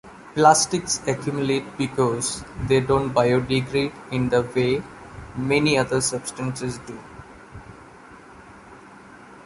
Plastics accumulate because they don't biodegrade in the way many other substances do.